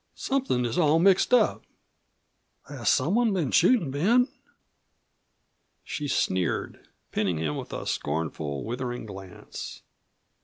"Somethin' is all mixed up. Has someone been shootin' Ben?" She sneered, pinning him with a scornful, withering glance.